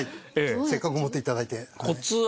せっかく持って頂いて。